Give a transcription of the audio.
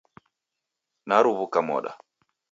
Naruwuka moda